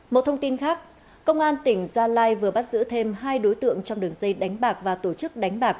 một thông tin khác công an tp hcm vừa bắt giữ thêm hai đối tượng trong đường dây đánh bạc và tổ chức đánh bạc